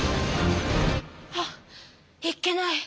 ハッいっけない！